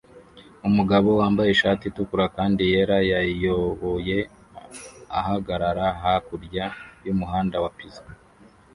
Umugabo wambaye ishati itukura kandi yera yayoboye ahagarara hakurya yumuhanda wa pizza